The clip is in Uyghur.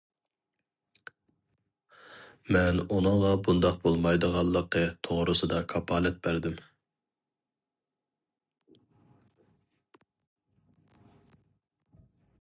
مەن ئۇنىڭغا بۇنداق بولمايدىغانلىقى توغرىسىدا كاپالەت بەردىم.